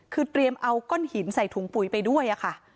คือเตรียมเอาก้อนหินใส่ถุงปุ๋ยไปด้วยค่ะ